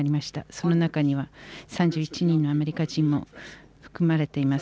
その中には３７人のアメリカ人も含まれています。